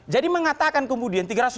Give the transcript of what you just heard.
jadi mengatakan kemudian